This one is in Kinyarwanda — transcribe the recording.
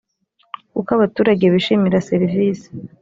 uko abaturage bishimira serivisi